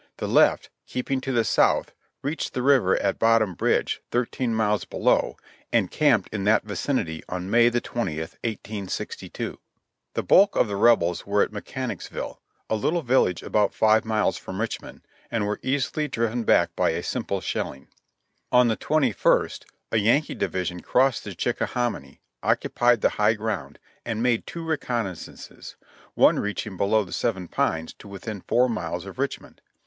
The left, keeping to the south, reached the river at Bottom Bridge, thirteen miles below, and camped in that vicinity on May the twentieth, 1862. The bulk of the Rebels were at Mechanicsville, a little village about five miles from Richmond, and were easily driven back by a simple shelling. On the 21st a Yankee division crossed the Chickahominy, occupied the high ground, and made two recon naissances, one reaching below the Seven Pines to within four miles of Richmond.